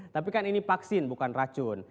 tapi kan ini vaksin bukan racun